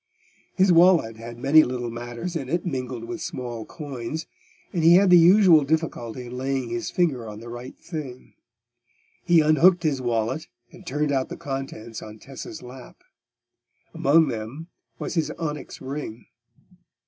His wallet had many little matters in it mingled with small coins, and he had the usual difficulty in laying his finger on the right thing. He unhooked his wallet, and turned out the contents on Tessa's lap. Among them was his onyx ring.